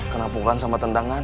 kena pungkan sama tendangan